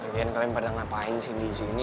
lagian kalian pada ngapain sih disini